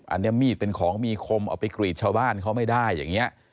อันนี้มีดเป็นของมีคมเอาไปกรีดชาวบ้านเขาไม่ได้อย่างนี้